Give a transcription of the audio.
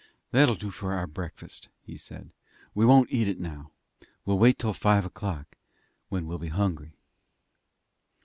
"That'll do for our breakfast," he said. "We won't eat it now. We'll wait till five o'clock. Then we'll be hungry."